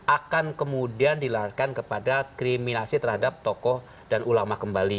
akan kemudian dilahirkan kepada kriminasi terhadap tokoh dan ulama kembali